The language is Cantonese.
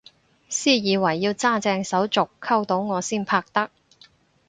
私以為要揸正手續溝到我先拍得